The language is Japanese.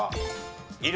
いる。